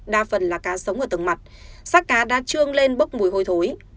đa phần là cá sống ở tầng mặt sát cá đã trương lên bốc mùi hôi thối